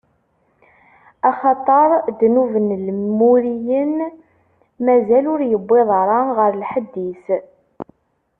Axaṭer ddnub n Imuriyen mazal ur iwwiḍ ara ɣer lḥedd-is.